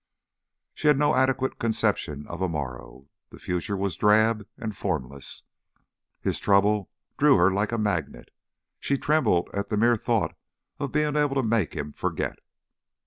She had no adequate conception of a morrow. The future was drab and formless. His trouble drew her like a magnet. She trembled at the mere thought of being able to make him forget.